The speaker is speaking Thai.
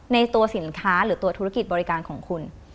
ในตัวสินค้าหรือตัวธุรกิจบริการของคุณ